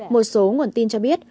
một số nguồn tin cho biết